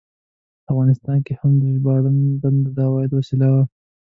په افغانستان کې هم د ژباړن دنده د عاید وسیله وه.